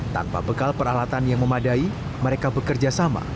tanpa bekal peralatan yang memadai mereka bekerja sama